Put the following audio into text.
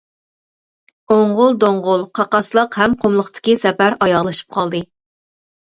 ئوڭغۇل-دوڭغۇل قاقاسلىق ھەم قۇملۇقتىكى سەپەر ئاياغلىشىپ قالدى.